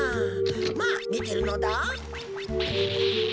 まあみてるのだ。